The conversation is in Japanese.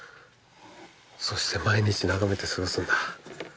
そして毎日眺めて過ごすんだ。